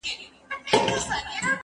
هغه څوک چي مړۍ خوري روغ وي!